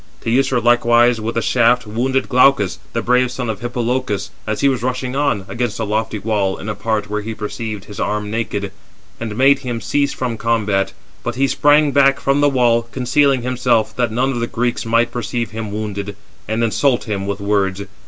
Teucer likewise with a shaft wounded Glaucus, the brave son of Hippolochus, as he was rushing on, against the lofty wall, in a part where he perceived his arm naked; and made him cease from combat. But he sprang back from the wall, concealing himself, that none of the Greeks might perceive him wounded, and insult him with words.